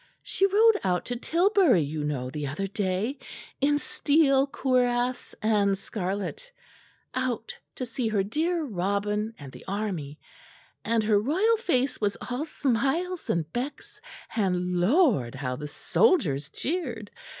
She rode out to Tilbury, you know, the other day, in steel cuirass and scarlet; out to see her dear Robin and the army; and her royal face was all smiles and becks, and lord! how the soldiers cheered!